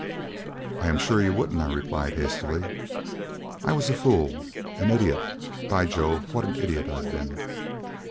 "I am sure you wouldn't," I replied hastily. "I was a fool, an idiot by Jove, what an idiot I have been!"